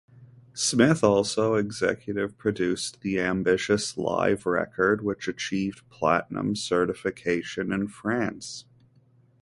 Smith also executive-produced the ambitious live record which achieved platinum certification in France.